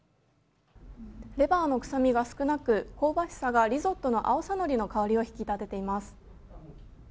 レバーの臭みが少なく香ばしさがリゾットの青さのりの香りを引き立てています。